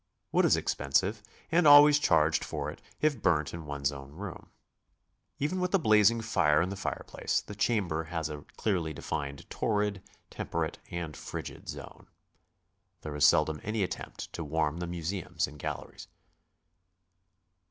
Wood is expensive, and always charged for if burnt in one's own room. Even with a blazing fire in the fire place, the chamber has a clearly defined torrid, temperate, and frigid zone. There is seldom any attempt to warm the museums and galleries.